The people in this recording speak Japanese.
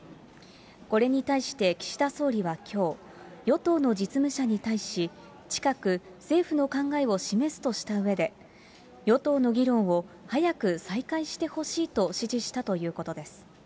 これに対して、岸田総理はきょう、与党の実務者に対し、近く、政府の考えを示すとしたうえで、与党の議論を早く再開してほしいと指示したということです。